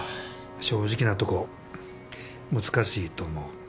正直なとこ難しいと思う。